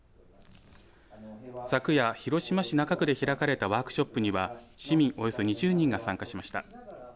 昨夜、広島市中区で開かれたワークショップには市民およそ２０人が参加しました。